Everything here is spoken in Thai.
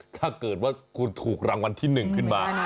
ถ้าเกิดว่าคุณถูกรางวัลที่๑ขึ้นมา